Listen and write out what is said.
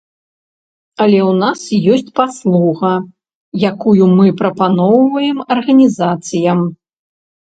Але ў нас ёсць паслуга, якую мы прапаноўваем арганізацыям.